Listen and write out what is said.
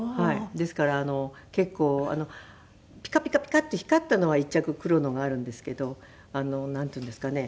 ですから結構ピカピカピカっと光ったのは１着黒のがあるんですけど。なんていうんですかね。